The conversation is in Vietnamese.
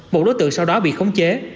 một đối tượng sau đó bị khống chế